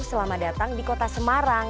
selamat datang di kota semarang